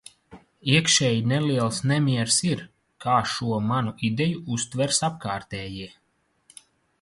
Iekšēji neliels nemiers ir, kā šo manu ideju uztvers apkārtējie.